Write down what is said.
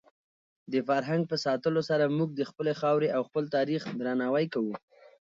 د فرهنګ په ساتلو سره موږ د خپلې خاورې او خپل تاریخ درناوی کوو.